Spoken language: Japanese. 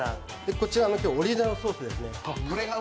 こちらオリジナルソースですね。